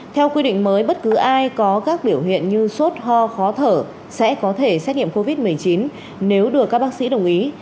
theo quy định mới bất cứ ai có các biểu hiện như sốt ho khó thở sẽ có thể xét nghiệm covid một mươi chín nếu được các bác sĩ đồng ý